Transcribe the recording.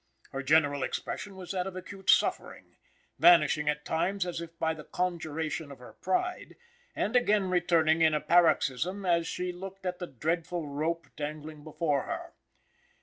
Her general expression was that of acute suffering, vanishing at times as if by the conjuration of her pride, and again returning in a paroxysm as she looked at the dreadful rope dangling before her.